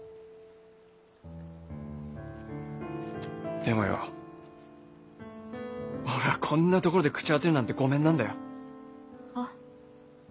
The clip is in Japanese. でもよ俺ぁこんなところで朽ち果てるなんてごめんなんだよ。は？